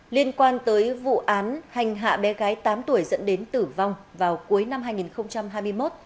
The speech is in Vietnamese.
tòa án hành hạ bé gái tám tuổi dẫn đến tử vong vào cuối năm hai nghìn hai mươi một